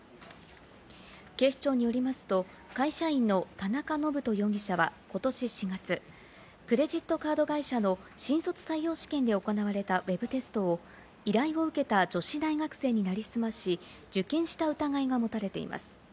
警視庁によりますと会社員の田中信人容疑者は今年４月、クレジットカード会社の新卒採用試験で行われたウェブテストを依頼を受けた女子大学生に成り済まし、受験した疑いが持たれています。